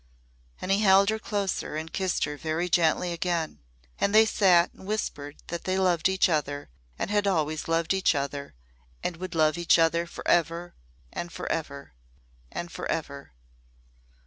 And he held her closer and kissed her very gently again. And they sat and whispered that they loved each other and had always loved each other and would love each other forever and forever and forever.